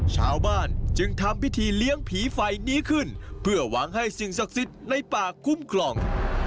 ชาวบ้านจึงทำพิธีเลี้ยงผีไฟนี้ขึ้นเพื่อหวังให้สิ่งศักดิ์สิทธิ์ในป่าคุ้มครอง